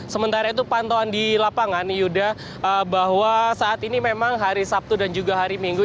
sementara itu pantauan di lapangan yuda bahwa saat ini memang hari sabtu dan juga hari minggu